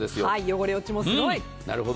汚れ落ちもすごい。